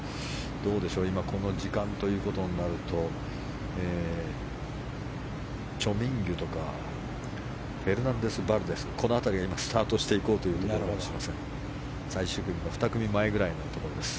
どうでしょう、今この時間ということになるとチョ・ミンギュとかフェルナンデス・バルデスこの辺りが今スタートしていこうというところです。